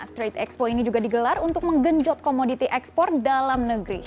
trade expo ini juga digelar untuk menggenjot komoditi ekspor dalam negeri